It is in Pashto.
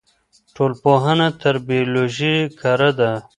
ټولنپوهنه تر بیولوژي کره ده.